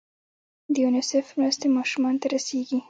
د یونیسف مرستې ماشومانو ته رسیږي؟